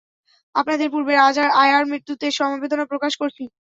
আপনাদের পূর্বের আয়ার মৃত্যুতে সমবেদনা প্রকাশ করছি!